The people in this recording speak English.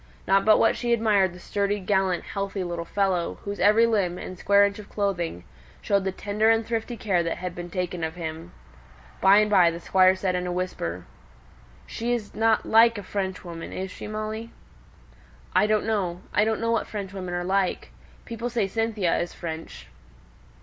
Not but what she admired the sturdy, gallant, healthy little fellow, whose every limb, and square inch of clothing, showed the tender and thrifty care that had been taken of him. By and by the Squire said in a whisper, "She's not like a Frenchwoman, is she, Molly?" "I don't know. I don't know what Frenchwomen are like. People say Cynthia is French."